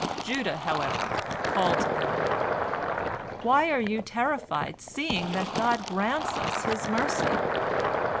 Judah, however, called to them, "Why are you terrified, seeing that God grants us His mercy?"